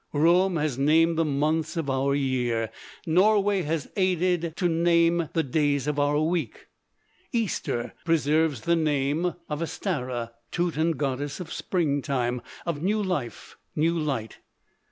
Rome has named the months of our year: Norway has aided to name the days of our week. Easter preserves the name of Œstara, Teuton goddess of springtime, of new life, new light.